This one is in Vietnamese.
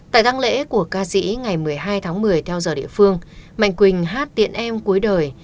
tại đăng lễ của ca sĩ ngày một mươi hai tháng một mươi theo giờ địa phương mạnh quỳnh hát tiện em cuối đời